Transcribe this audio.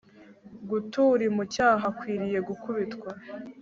Gut uri mu cyaha akwiriye gukubitwa